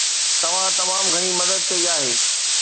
توهان تمام گهڻي مدد ڪئي آهي